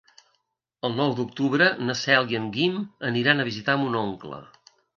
El nou d'octubre na Cel i en Guim aniran a visitar mon oncle.